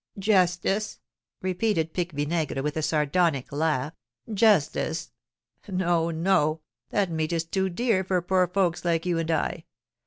"Justice!" repeated Pique Vinaigre, with a sardonic laugh, "justice! No, no, that meat is too dear for poor folks like you and I.